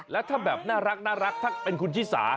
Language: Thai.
และแบบน่ารักท่านคุณชิสา